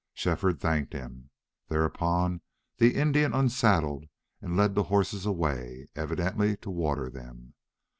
Shefford thanked him. Thereupon the Indian unsaddled and led the horses away, evidently to water them.